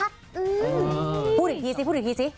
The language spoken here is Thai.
พูดอีกทีซิ